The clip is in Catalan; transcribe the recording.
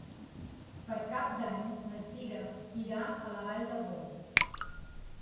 Per Cap d'Any na Sira irà a la Vall d'Ebo.